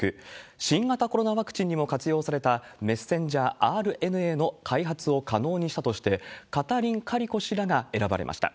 新型コロナワクチンにも活用されたメッセンジャーＲＮＡの開発を可能にしたとして、カタリン・カリコ氏らが選ばれました。